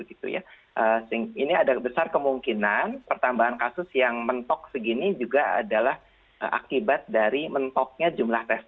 ini ada besar kemungkinan pertambahan kasus yang mentok segini juga adalah akibat dari mentoknya jumlah tes